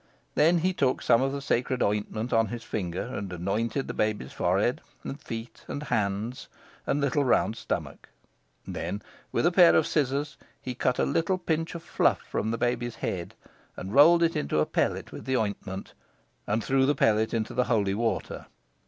Then he took some of the sacred ointment on his finger and anointed the baby's forehead, and feet, and hands, and little round stomach. Then, with a pair of scissors, he cut a little pinch of fluff from the baby's head, and rolled it into a pellet with the ointment, and threw the pellet into the holy water.